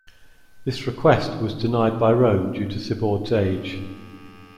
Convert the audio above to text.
This request was denied by Rome due to Sibourd's age.